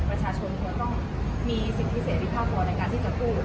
ประชาชนคงจะต้องมีสิ่งพิเศษพิภาพร้อมในการที่จะปูด